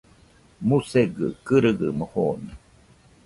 Musegɨ kɨrigamo jone.